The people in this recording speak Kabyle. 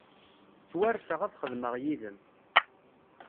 Ttwarseɣ ad xedmeɣ yid-m.